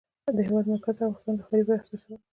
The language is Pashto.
د هېواد مرکز د افغانستان د ښاري پراختیا سبب کېږي.